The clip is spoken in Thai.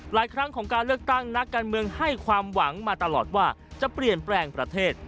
ครั้งของการเลือกตั้งนักการเมืองให้ความหวังมาตลอดว่าจะเปลี่ยนแปลงประเทศ